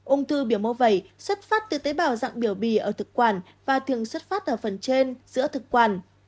ung thư biểu mô vẩy xuất phát từ tế bào dạng biểu bì ở thực quản và thường xuất phát ở phần trên giữa thực quản